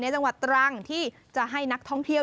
จังหวัดตรังที่จะให้นักท่องเที่ยว